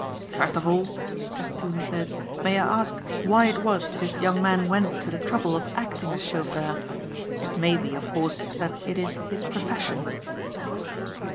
"First of all," Castoon said, "may I ask why it was this young man went to the trouble of acting as chauffeur. It may be, of course, that it is his profession."